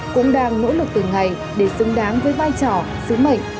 cũng đang nỗ lực từng ngày để xứng đáng với vai trò sứ mệnh